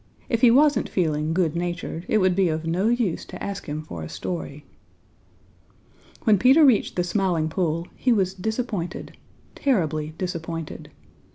If he wasn't feeling good natured, it would be of no use to ask him for a story. When Peter reached the Smiling Pool he was disappointed, terribly disappointed.